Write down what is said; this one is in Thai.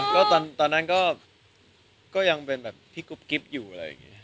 ก็ตอนนั้นก็ยังเป็นแบบพี่กุ๊บกิ๊บอยู่อะไรอย่างนี้